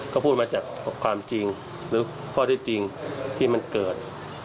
ก็พูดมาจากความจริงหรือข้อที่จริงที่มันเกิด